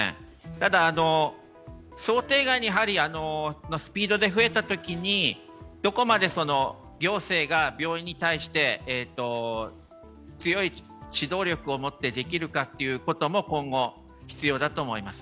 ただ、想定外のスピードで増えたときにどこまで行政が病院に対して強い指導力を持ってできるかということも今後、必要だと思います。